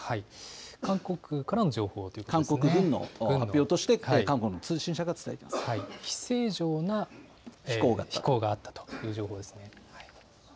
韓国からの情報ということで韓国軍の発表として、韓国の非正常な飛行があったという情報ですね。